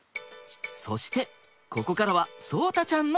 そしてここからは聡太ちゃんの時間。